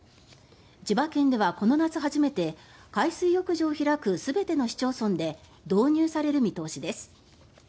千葉県ではこの夏初めて海水浴場を開く全ての市町村で導入される見通しです。